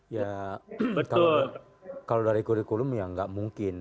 ya kalau dari kurikulum ya nggak mungkin